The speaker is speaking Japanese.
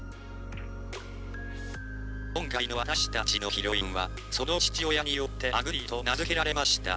「今回の私たちのヒロインはその父親によって『あぐり』と名付けられました」。